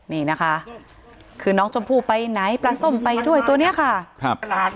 นี่นะคะคือน้องชมพู่ไปไหนปลาส้มไปด้วยตัวเนี้ยค่ะครับ